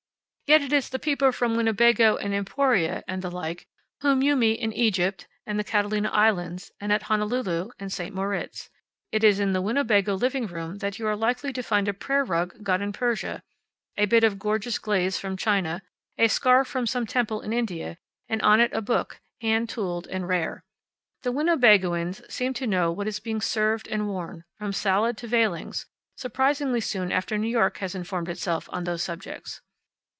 Yet it is the people from Winnebago and Emporia and the like whom you meet in Egypt, and the Catalina Islands, and at Honolulu, and St. Moritz. It is in the Winnebago living room that you are likely to find a prayer rug got in Persia, a bit of gorgeous glaze from China, a scarf from some temple in India, and on it a book, hand tooled and rare. The Winnebagoans seem to know what is being served and worn, from salad to veilings, surprisingly soon after New York has informed itself on those subjects.